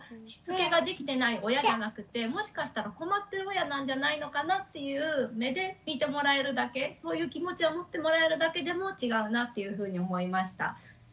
しつけができてない親じゃなくてもしかしたら「困ってる親」なんじゃないのかなっていう目で見てもらえるだけそういう気持ちを持ってもらえるだけでも違うなというふうに思いました。